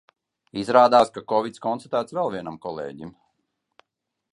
Izrādās, ka kovids konstatēts vēl vienam kolēģim.